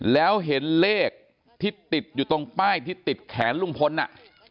แล้วเห็นเลขที่ติดอยู่ตรงป้ายที่ติดแขนลุงพลน่ะ